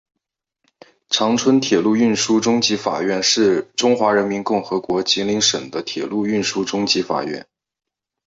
长春铁路运输中级法院是中华人民共和国吉林省的铁路运输中级法院。